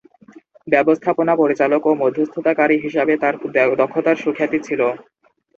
ব্যবস্থাপনা পরিচালক ও মধ্যস্থতাকারী হিসাবে তার দক্ষতার সুখ্যাতি ছিল।